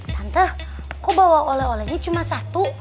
tante kok bawa oleh olehnya cuma satu